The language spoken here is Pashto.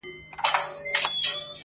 پکښي ګوري چي فالونه په تندي د سباوون کي٫